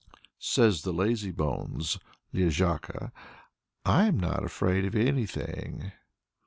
Says the lazybones (lezhaka): "I'm not afraid of anything!"